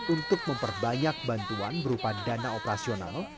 untuk memperbanyak bantuan berupa dana operasional